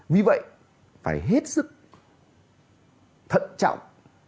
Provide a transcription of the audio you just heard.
vì vậy phải hết sức thận trọng